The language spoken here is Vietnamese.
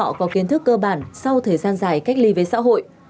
đặc sá là một nguyên thức cơ bản sau thời gian dài cách ly với xã hội